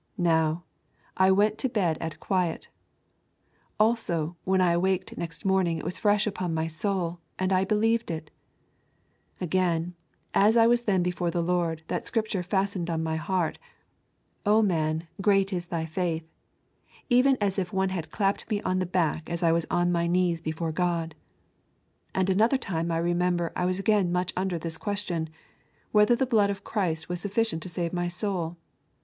Now, I went to bed at quiet; also, when I awaked the next morning it was fresh upon my soul and I believed it ... Again, as I was then before the Lord, that Scripture fastened on my heart: O man, great is thy faith, even as if one had clapped me on the back as I was on my knees before God ... At another time I remember I was again much under this question: Whether the blood of Christ was sufficient to save my soul?